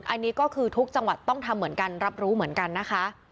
อันนี้ก็คือทุกจังหวัดต้องทำเหมือนกันรับรู้เหมือนกันนะคะ